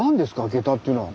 ゲタっていうのは。